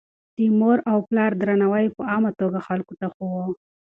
د مور او پلار درناوی يې په عامه توګه خلکو ته ښووه.